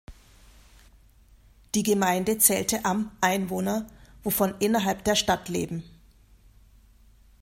Die Gemeinde zählte am Einwohner, wovon innerhalb der Stadt leben.